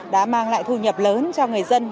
đã mang lại thu nhập lớn cho người dân